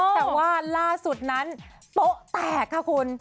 แต่ว่าล่าสุดนั้นโป๊ะแตกค่ะคุณ